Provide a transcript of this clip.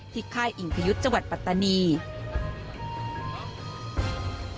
ค่ายอิงพยุทธ์จังหวัดปัตตานี